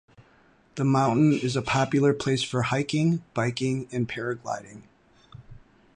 The mountain is a popular place for hiking, biking and paragliding.